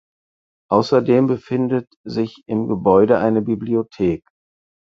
Außerdem befindet sich im Gebäude eine Bibliothek.